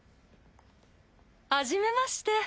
はじめまして。